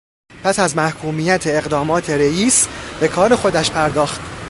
پس از محکومیت اقدامات رییس، به کار خودش پرداخت